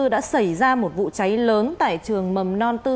đã xảy ra một vụ cháy lớn tại trường mầm non tư